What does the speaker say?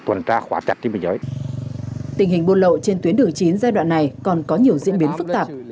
tình hình buôn lậu trên tuyến đường chín giai đoạn này còn có nhiều diễn biến phức tạp